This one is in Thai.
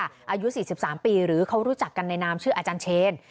อายุ๔๓ปีหรือเขารู้จักกันในนามชื่ออาจารย์เชน